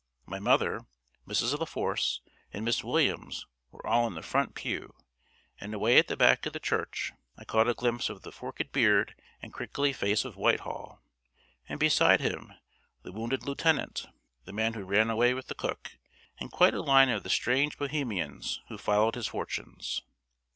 My mother, Mrs. La Force, and Miss Williams were all in the front pew; and away at the back of the church I caught a glimpse of the forked beard and crinkly face of Whitehall, and beside him the wounded lieutenant, the man who ran away with the cook, and quite a line of the strange Bohemians who followed his fortunes.